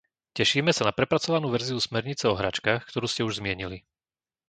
Tešíme sa na prepracovanú verziu smernice o hračkách, ktorú ste už zmienili.